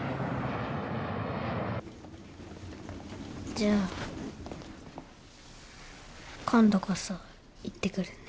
じゃあ今度こそ行ってくるね。